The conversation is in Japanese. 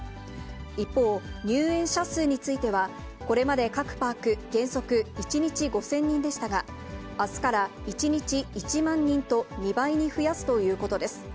一方、入園者数については、これまで各パーク、原則１日５０００人でしたが、あすから１日１万人と２倍に増やすということです。